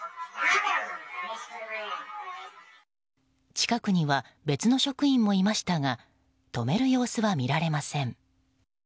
近くには別の職員もいましたが止める様子は見られません。